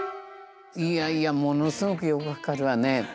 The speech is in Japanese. いやいやものすごくよく分かるわね。